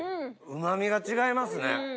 うま味が違いますね。